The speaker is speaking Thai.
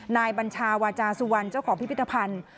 บัญชาวาจาสุวรรณเจ้าของพิพิธภัณฑ์